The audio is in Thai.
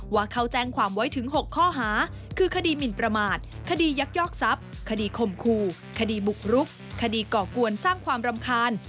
ว่าเขาแจ้งความไว้ถึง๖ข้อหาคือคดีหมินประมาทคดียักยอกทรัพย์คดีข่มขู่คดีบุกรุกคดีก่อกวนสร้างความรำคาญ